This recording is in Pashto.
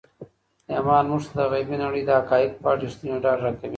ایمان موږ ته د غیبي نړۍ د حقایقو په اړه رښتینی ډاډ راکوي.